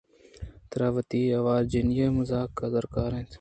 ترا وتی آوارجنیءِ مُزّ درکار اِنت